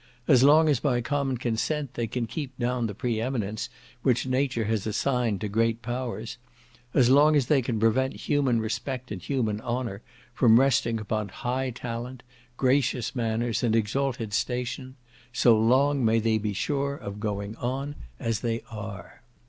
As long as by common consent they can keep down the pre eminence which nature has assigned to great powers, as long as they can prevent human respect and human honour from resting upon high talent, gracious manners, and exalted station, so long may they be sure of going on as they are.